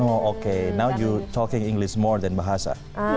oh oke sekarang kamu berbicara bahasa inggris lebih dari bahasa